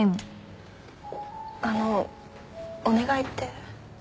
あのお願いって？